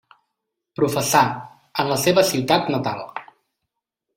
Professà, en la seva ciutat natal.